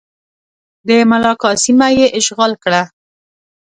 د ملاکا سیمه یې اشغال کړه.